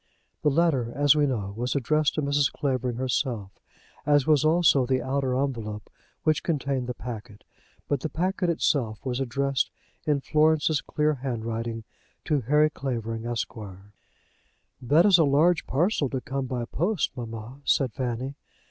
The letter, as we know, was addressed to Mrs. Clavering herself, as was also the outer envelope which contained the packet; but the packet itself was addressed in Florence's clear handwriting to Harry Clavering, Esq. "That is a large parcel to come by post, mamma," said Fanny.